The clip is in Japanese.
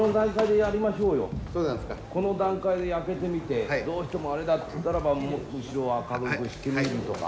この段階で開けてみてどうしてもあれだって言ったらば後ろを明るくしてみるとか。